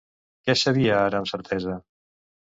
Què sabia ara amb certesa?